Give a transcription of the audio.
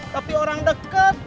tapi orang deket